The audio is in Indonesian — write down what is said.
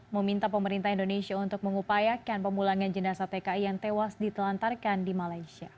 meminta pemerintah indonesia untuk mengupayakan pemulangan jenazah tki yang tewas ditelantarkan di malaysia